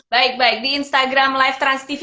baik baik di instagram live transtv